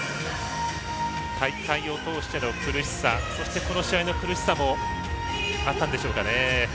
大会を通しての苦しさそしてこの試合の苦しさもあったんでしょうかね。